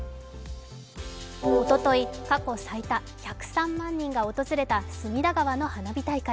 おととい、過去最多１０３万人が訪れた隅田川の花火大会。